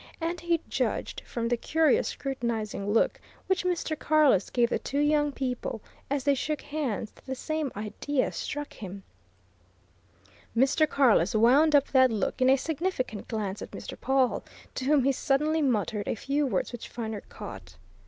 And he judged from the curious, scrutinizing look which Mr. Carless gave the two young people as they shook hands that the same idea struck him Mr. Carless wound up that look in a significant glance at Mr. Pawle, to whom he suddenly muttered a few words which Viner caught.